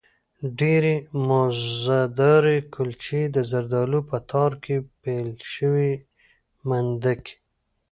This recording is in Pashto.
ډېرې مزهدارې کلچې، د زردالو په تار کې پېل شوې مندکې